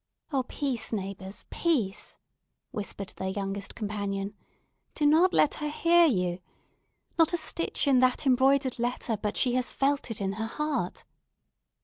"Oh, peace, neighbours—peace!" whispered their youngest companion; "do not let her hear you! Not a stitch in that embroidered letter but she has felt it in her heart."